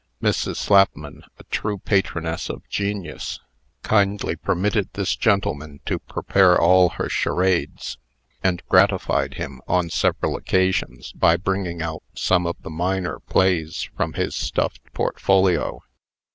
Mrs. Slapman, a true patroness of genius, kindly permitted this gentleman to prepare all her charades, and gratified him, on several occasions by bringing out some of the minor plays from his stuffed portfolio.